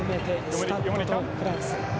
スタッド・ド・フランス。